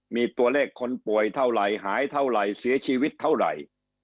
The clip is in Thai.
มีตัวเลขคนป่วยเท่าไหร่หายเท่าไหร่เสียชีวิตเท่าไหร่